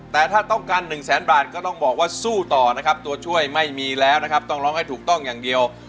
แต่ถ้าต้องการ๑แสนบาทก็ต้องบอกว่าสู้ต่อนะครับตัวช่วยไม่มีแล้วนะครับต้องร้องให้ถูกต้องอย่างเดียว